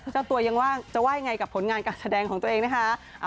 เจ้าตัวยังว่าจะว่ายังไงกับผลงานการแสดงของตัวเองนะคะ